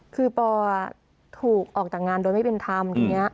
คือปอถูกออกจากงานโดยไม่เป็นธรรมทีนี้